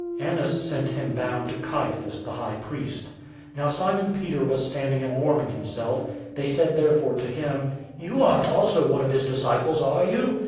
018:024 Annas sent him bound to Caiaphas, the high priest. 018:025 Now Simon Peter was standing and warming himself. They said therefore to him, "You aren't also one of his disciples, are you?"